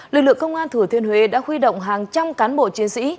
lực lượng công an thừa thiên huế đã huy động hàng trăm cán bộ chiến sĩ